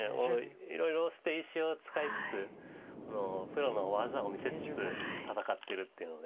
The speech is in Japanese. いろいろ捨て石を使いつつプロの技を見せつつ戦ってるっていうので。